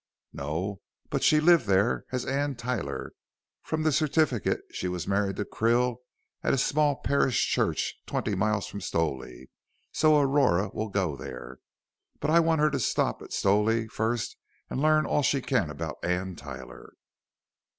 "No. But she lived there as Anne Tyler. From the certificate she was married to Krill at a small parish church twenty miles from Stowley, so Aurora will go there. But I want her to stop at Stowley first and learn all she can about Anne Tyler."